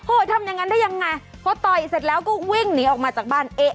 ทำอย่างนั้นได้ยังไงพอต่อยเสร็จแล้วก็วิ่งหนีออกมาจากบ้านเอ๊ะ